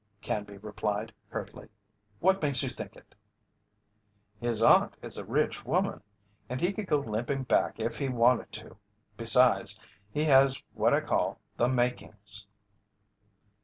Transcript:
Canby replied, curtly. "What makes you think it?" "His aunt is a rich woman, and he could go limping back if he wanted to; besides, he has what I call the 'makings'."